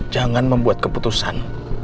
jangan membuat keputusan